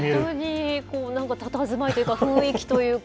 なんかたたずまいというか、雰囲気というか。